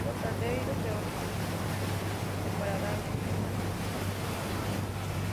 Los aldehídos se oxidan fácilmente para dar ácidos carboxílicos.